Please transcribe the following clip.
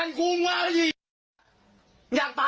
ทั้งออกไหมอ่ะแต่บนเป็นหน้าบ้านพี่เออ